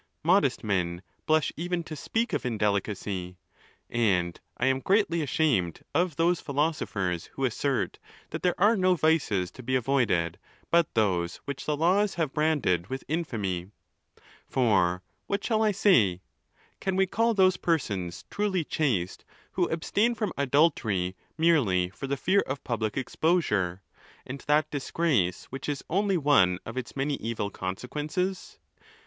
Modest men blush even to speak of indelicacy. And I am ereatly ashamed of those philosophers, who assert that there are no vices to be avoided but those which the laws have branded with infamy. For what shall I say? Can we call those persons truly chaste, who abstain from adultery merely for the fear of public exposure, and that disgrace which is only one of its many evil consequences?